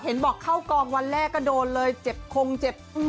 บอกเข้ากองวันแรกก็โดนเลยเจ็บคงเจ็บ